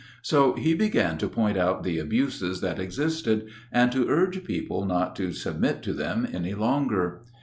So he began to point out the abuses that existed, and to urge people not to submit to them any longer.